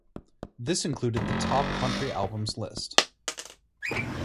This included the Top Country Albums list.